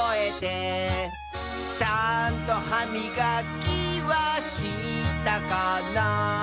「ちゃんとはみがきはしたかな」